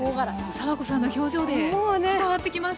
さわこさんの表情で伝わってきます。